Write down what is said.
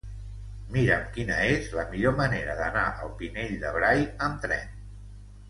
Mira'm quina és la millor manera d'anar al Pinell de Brai amb tren.